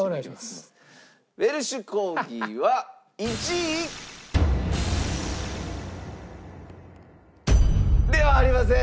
ウェルシュ・コーギーは１位？ではありません。